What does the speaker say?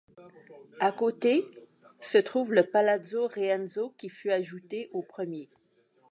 À côté, se trouve le Palazzo Re Enzo qui fut ajouté au premier.